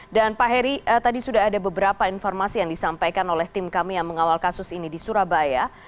dan pak heri tadi sudah ada beberapa informasi yang disampaikan oleh tim kami yang mengawal kasus ini di surabaya